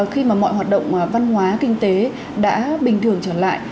khi mà mọi hoạt động văn hóa kinh tế đã bình thường trở lại